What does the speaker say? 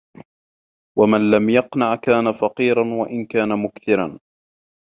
وَمَنْ لَمْ يَقْنَعْ كَانَ فَقِيرًا وَإِنْ كَانَ مُكْثِرًا